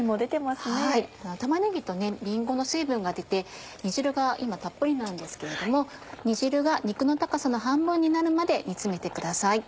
玉ねぎとりんごの水分が出て煮汁が今たっぷりなんですけれども煮汁が肉の高さの半分になるまで煮詰めてください。